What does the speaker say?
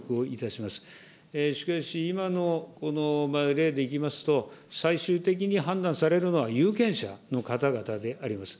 しかし、今のこの例でいきますと、最終的に判断されるのは有権者の方々であります。